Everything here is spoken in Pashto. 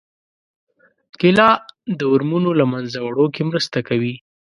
کېله د ورمونو له منځه وړو کې مرسته کوي.